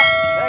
saya gak tahu